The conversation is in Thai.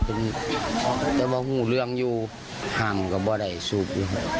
คุณจะบ่หูเรื่องอยู่ห่างก็บ่ได้สูบอยู่